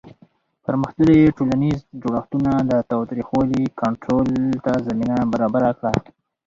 پرمختللي ټولنیز جوړښتونه د تاوتریخوالي کنټرول ته زمینه برابره کړه.